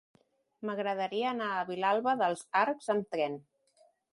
M'agradaria anar a Vilalba dels Arcs amb tren.